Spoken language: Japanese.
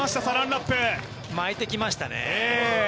巻いてきましたね。